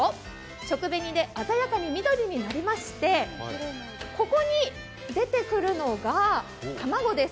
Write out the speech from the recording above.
食紅で鮮やかに緑になりまして、ここに出てくるのが卵です。